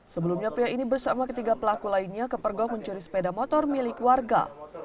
sebelumnya pria ini bersama ketiga pelaku lainnya kepergok mencuri sepeda motor milik warga